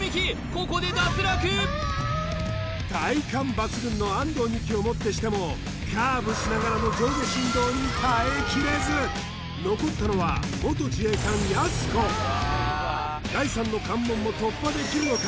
ここで脱落体幹抜群の安藤美姫をもってしてもカーブしながらの上下振動に耐えきれず残ったのは元自衛官やす子第三の関門も突破できるのか？